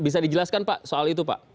bisa dijelaskan pak soal itu pak